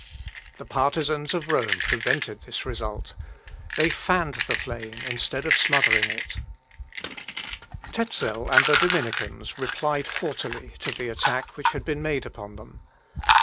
The partisans of Rome prevented this result. They fanned the flame instead of smothering it. Tezel and the Dominicans replied haughtily to the attack which had been made upon them.